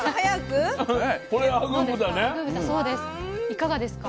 いかがですか？